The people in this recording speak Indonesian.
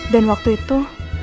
dan waktu itu